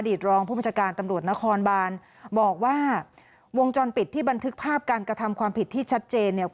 รองผู้บัญชาการตำรวจนครบานบอกว่าวงจรปิดที่บันทึกภาพการกระทำความผิดที่ชัดเจนเนี่ย